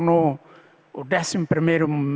juga karena timor leste menjadi